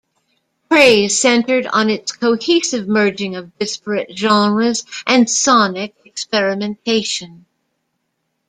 Praise centred on its cohesive merging of disparate genres and sonic experimentation.